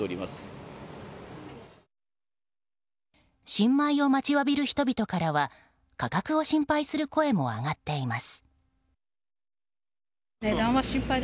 新米を待ちわびる人々からは価格を心配する声も上がっています。